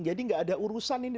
jadi gak ada urusan ini